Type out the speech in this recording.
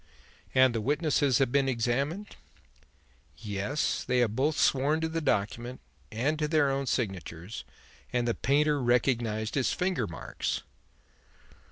"And these witnesses have been examined?" "Yes. They have both sworn to the document and to their own signatures, and the painter recognized his finger marks."